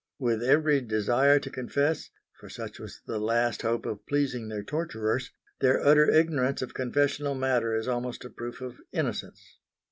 With every desire to confess for such was the last hope of pleasing their torturers their utter ignorance of confessional matter is almost a proof of innocence.